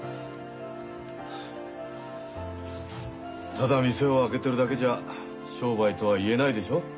ただ店を開けてるだけじゃ商売とは言えないでしょ？